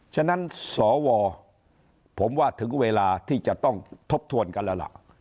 ฉะนั้นสวผมว่าถึงเวลาที่จะต้องทบทวนกันแล้วล่ะ